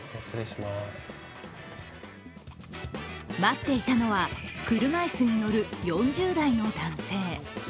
待っていたのは車椅子に乗る４０代の男性。